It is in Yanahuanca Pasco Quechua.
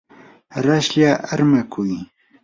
raslla armakuy.